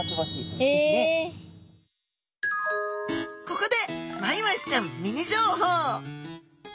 ここでマイワシちゃんミニ情報。